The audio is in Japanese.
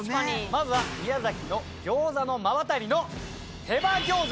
まずは宮崎の餃子の馬渡の手羽餃子。